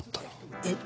えっ！